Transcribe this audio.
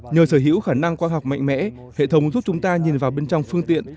nhờ sở hữu khả năng khoa học mạnh mẽ hệ thống giúp chúng ta nhìn vào bên trong phương tiện